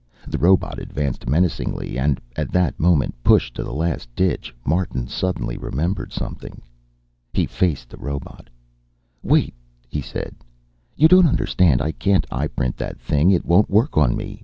The robot advanced menacingly. And at that moment, pushed to the last ditch, Martin suddenly remembered something. He faced the robot. "Wait," he said. "You don't understand. I can't eyeprint that thing. It won't work on me.